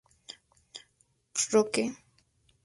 Fotos: Roque.